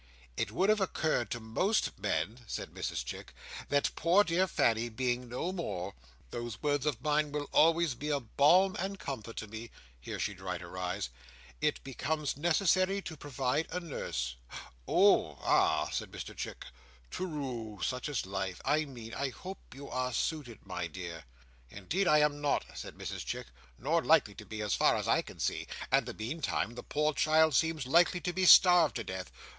"It would have occurred to most men," said Mrs Chick, "that poor dear Fanny being no more,—those words of mine will always be a balm and comfort to me," here she dried her eyes; "it becomes necessary to provide a Nurse." "Oh! Ah!" said Mr Chick. "Toor ru!—such is life, I mean. I hope you are suited, my dear." "Indeed I am not," said Mrs Chick; "nor likely to be, so far as I can see, and in the meantime the poor child seems likely to be starved to death.